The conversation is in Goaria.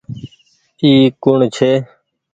اي ڪوڻ ڇي۔